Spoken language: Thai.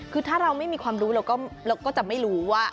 คือถ้าเราไม่มีความรู้เราก็จะไม่รู้ว่า